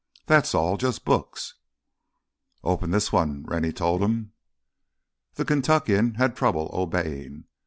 That's all, just books." "Open this one," Rennie told him. The Kentuckian had trouble obeying.